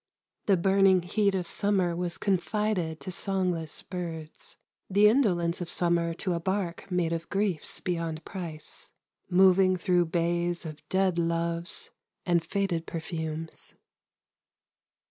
The burning heat of summer was confided to songless birds, the indolence of summer to a barque made of griefs beyond price, moving through bays of dead loves and faded perfumes.